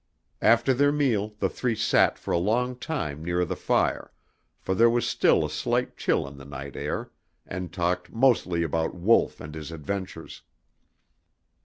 After their meal the three sat for a long time near the fire, for there was still a slight chill in the night air, and talked mostly about Wolf and his adventures.